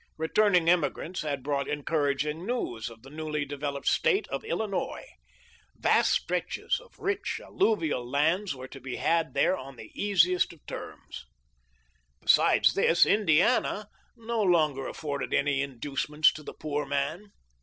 Returning emigrants had brought encouraging news of the newly developed state of Illinois. Vast stretches of rich alluvial lands were to be had there on the easiest of terms. THE LIFE OF LINCOLN. 6/ Besides this, Indiana no longer afforded any inducements to the poor man.